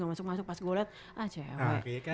gak masuk masuk pas gue lihat ah cewe